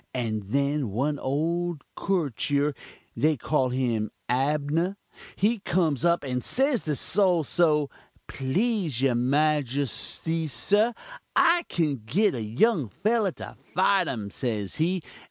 And then one old koretur, they call him Abnah, he comes up and says to Sol so: 'Please, your majustee, sir, I kin git a young fellah to fite um,' says he.